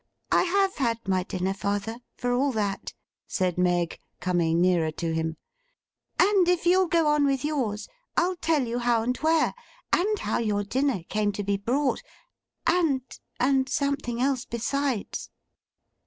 'I have had my dinner, father, for all that,' said Meg, coming nearer to him. 'And if you'll go on with yours, I'll tell you how and where; and how your dinner came to be brought; and—and something else besides.